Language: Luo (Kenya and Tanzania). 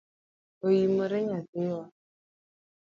Oimore nyathiwa?